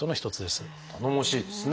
頼もしいですね。